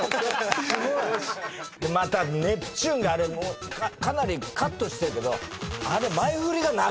またネプチューンがかなりカットしてるけどあれ。